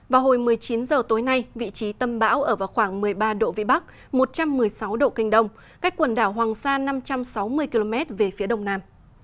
vào hồi một mươi chín h tối nay vị trí tâm bão ở vào khoảng một mươi ba độ vĩ bắc một trăm một mươi sáu độ kinh đông cách quần đảo hoàng sa năm trăm sáu mươi km về phía đông nam